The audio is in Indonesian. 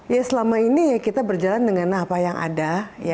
ya selama ini ya kita berjalan dengan apa yang ada